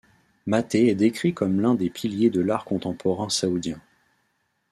Mater est décrit comme l'un des piliers de l'art contemporain saoudien.